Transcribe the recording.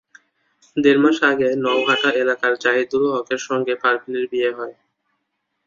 দেড় মাস আগে নওহাটা এলাকার জাহিদুল হকের সঙ্গে পারভীনের বিয়ে হয়।